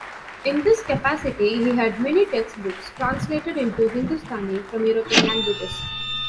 In this capacity he had many textbooks translated into Hindustani from European languages.